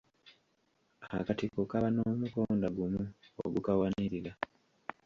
Akatiko kaba n'omukonda gumu ogukawanirira.